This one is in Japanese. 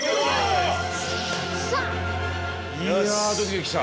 飯尾：いやあ、ドキドキした。